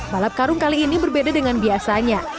balap karung kali ini berbeda dengan biasanya